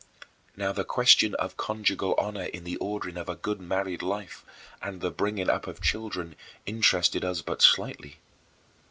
" Now, the question of conjugal honor in the ordering of a good married life and the bringing up of children interested us but slightly.